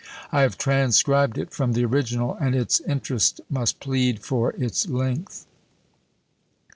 I have transcribed it from the original, and its interest must plead for its length.